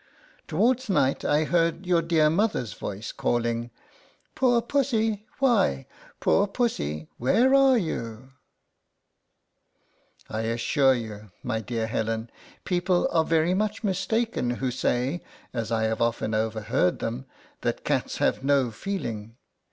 Towards night I heard your dear mother's voice 50 LETTERS FROM A CAT. calling, " Poor pussy, why, poor pussy, where are you ?" I .assure you, my dear Helen, people are very much mistaken who say, as I have often overheard them, that cats have no feeling.